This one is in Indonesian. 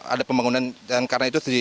ada pembangunan dan karena itu